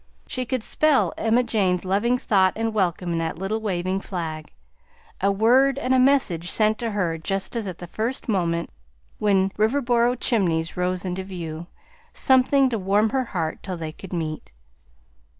She could spell Emma Jane's loving thought and welcome in that little waving flag; a word and a message sent to her just at the first moment when Riverboro chimneys rose into view; something to warm her heart till they could meet.